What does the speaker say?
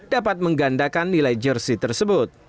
dapat menggandakan nilai jersi tersebut